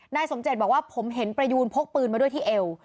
นายสมเจตบอกว่าผมเห็นประยูนพกปืนมาด้วยที่เอว